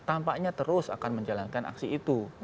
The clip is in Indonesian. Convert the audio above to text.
tampaknya terus akan menjalankan aksi itu